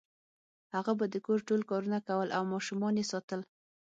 هغه به د کور ټول کارونه کول او ماشومان یې ساتل